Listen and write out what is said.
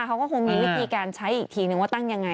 เขาก็คงมีวิธีการใช้อีกทีนึงว่าตั้งยังไง